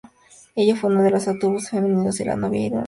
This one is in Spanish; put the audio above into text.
Ella fue uno de los Autobots femeninos y la novia de Ironhide.